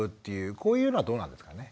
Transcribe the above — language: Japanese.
こういうのはどうなんですかね？